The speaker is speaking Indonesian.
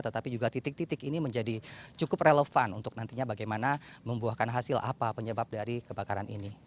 tetapi juga titik titik ini menjadi cukup relevan untuk nantinya bagaimana membuahkan hasil apa penyebab dari kebakaran ini